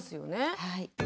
はい。